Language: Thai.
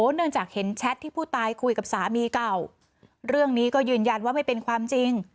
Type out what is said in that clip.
เนื่องจากเห็นแชทที่ผู้ตายคุยกับสามีเก่าเรื่องนี้ก็ยืนยันว่าไม่เป็นความจริง